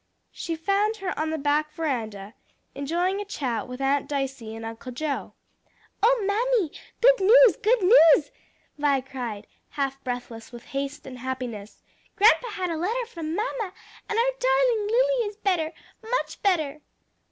She found her on the back veranda, enjoying a chat with Aunt Dicey and Uncle Joe. "Oh, mammy, good news! good news!" Vi cried, half breathless with haste and happiness; "grandpa had a letter from mamma, and our darling Lily is better, much better."